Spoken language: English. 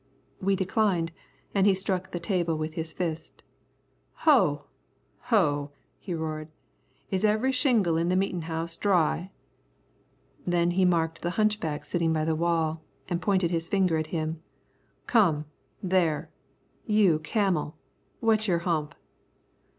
We declined, and he struck the table with his fist. "Ho! ho," he roared; "is every shingle on the meetin' house dry?" Then he marked the hunchback sitting by the wall, and pointed his finger at him. "Come, there, you camel, wet your hump."